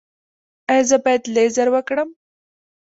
ایا زه باید لیزر وکړم؟